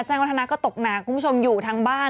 วัฒนาก็ตกหนักคุณผู้ชมอยู่ทางบ้าน